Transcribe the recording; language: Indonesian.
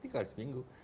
tiga kali seminggu